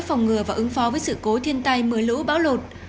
phòng ngừa và ứng phó với sự cố thiên tai mưa lũ báo lột